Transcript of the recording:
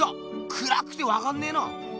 くらくてわかんねえな！